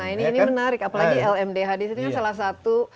ini menarik apalagi lmdh di sini salah satu